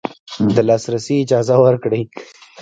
د لاسرسي اجازه ورکړي